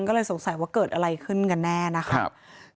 ก็เลยสงสัยว่าเกิดอะไรขึ้นกันแน่นะครับ